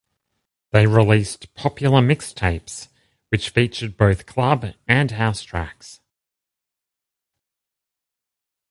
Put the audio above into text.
They released popular mixtapes which featured both club and house tracks.